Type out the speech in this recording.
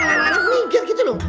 nangannya peninggir gitu loh